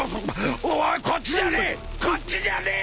おいこっちじゃねえ！